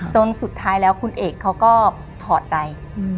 จนสุดท้ายแล้วคุณเอกเขาก็ถอดใจ